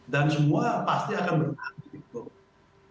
dan semua pasti akan bertahan